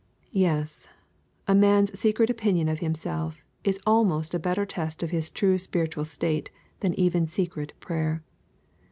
Yes; a man's secret opinion of himself is almost a better test of his true spiritual state than even secret prayer.